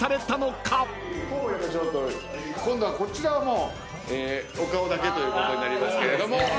こちらはお顔だけということになりますけれども。